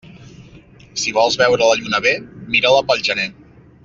Si vols veure la lluna bé, mira-la pel gener.